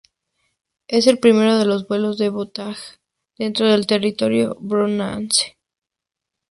Es el primero en vuelos de cabotaje dentro del territorio bonaerense.